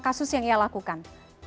kasus yang ia lakukan